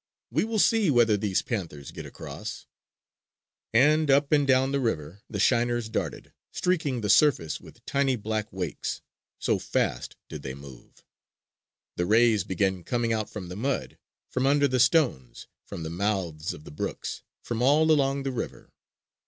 We will see whether these panthers get across!" And up and down the river the shiners darted, streaking the surface with tiny black wakes, so fast did they move. The rays began coming out from the mud, from under the stones, from the mouths of the brooks, from all along the river.